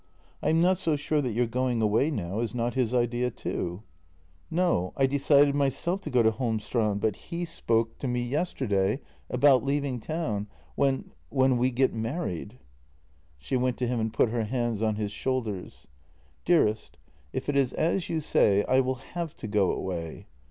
I am not so sure that your going away now is not his idea too." "No; I decided myself to go to Holmestrand, but he spoke i 64 JENNY to me yesterday about leaving town, when — when we got married." She went to him and put her hands on his shoulders. " Dearest — if it is as you say, I will have to go away.